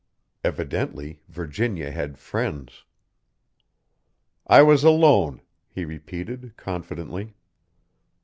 Evidently Virginia had friends. "I was alone," he repeated, confidently.